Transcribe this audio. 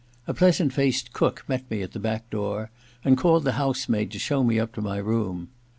A pleasant faced cook met me at the back door and called the house maid to show me up to my room.